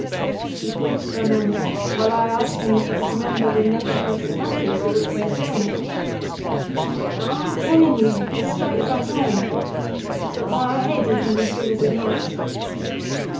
He paused for a moment, while I asked him if he could remember the nature of the country through which he had journeyed. "I am telling you as straight as I can, but my head isn't as good as it might be.